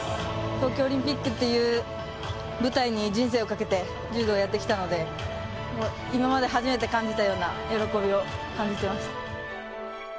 東京オリンピックという舞台に人生をかけて柔道をやってきたので今まで初めて感じたような喜びを感じていました。